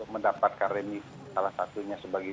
mendapatkan remisi salah satunya sebagai